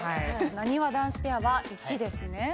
なにわ男子ペアは１ですね。